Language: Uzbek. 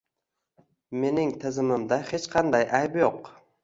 Mening tizimimda hech qanday ayb yo'q